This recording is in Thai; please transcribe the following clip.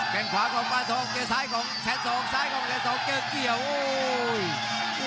แก่งขวาของปานทองเกลียดซ้ายของแชนสองซ้ายของแชนสองเกลียดเกี่ยวโอ้โห